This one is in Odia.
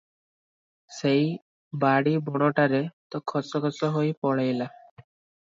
ସେଇ ବାଡ଼ି ବଣଟାରେ ତ ଖସ ଖସ ହୋଇ ପଲେଇଲା ।